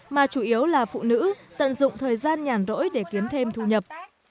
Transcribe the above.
mà chủ yếu là phụ nữ tận dụng thời gian nhàn rỗi để kiếm thêm thuốc